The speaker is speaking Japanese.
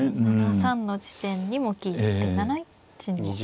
７三の地点にも利いて７一にも。